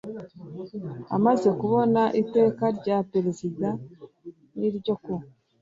amaze kubona iteka rya perezida n ryo ku